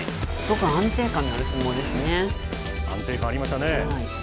安定感ありましたね。